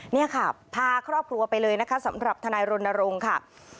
นี่ค่ะพาครอบครัวไปเลยนะคะสำหรับทนายรณรงค์ค่ะ